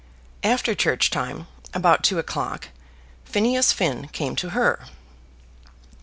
After church time, about two o'clock, Phineas Finn came to her.